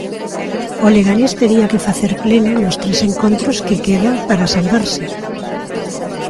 O Leganés tería que facer pleno nos tres encontros que quedan para salvarse.